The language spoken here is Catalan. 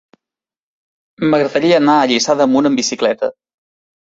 M'agradaria anar a Lliçà d'Amunt amb bicicleta.